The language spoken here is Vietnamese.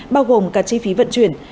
bao gồm cả chi phí vận chuyển